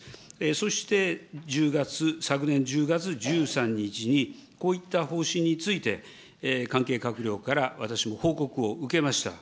そして、１０月、昨年１０月１３日に、こういった方針について、関係閣僚から私も報告を受けました。